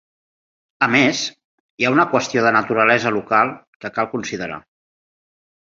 A més, hi ha una qüestió de naturalesa local que cal considerar.